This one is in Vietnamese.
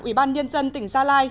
ủy ban nhân dân tỉnh gia lai